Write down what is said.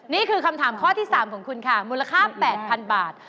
นี่คือคำถามข้อที่๓ของคุณค่ะมูลค่า๘๐๐๐บาท